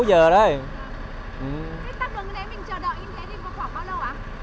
em chờ đợi như thế thì có khoảng bao lâu ạ